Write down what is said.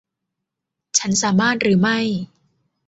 ฉันสามารถหรือไม่ ?